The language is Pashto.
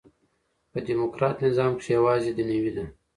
په ډيموکراټ نظام کښي یوازي دنیوي ده.